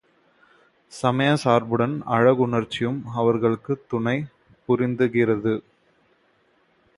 சமயச் சார்புடன் அழகுணர்ச்சியும் அவர்களுக்குத் துணை புரிந்திருக்கிறது.